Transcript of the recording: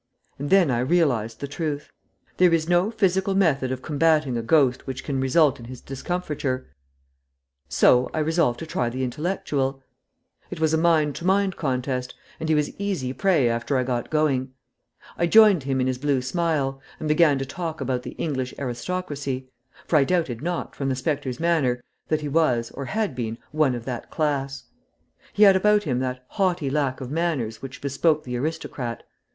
And then I realized the truth. There is no physical method of combating a ghost which can result in his discomfiture, so I resolved to try the intellectual. It was a mind to mind contest, and he was easy prey after I got going. I joined him in his blue smile, and began to talk about the English aristocracy; for I doubted not, from the spectre's manner, that he was or had been one of that class. He had about him that haughty lack of manners which bespoke the aristocrat.